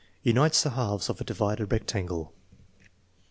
Unites the halves of a divided rectangle.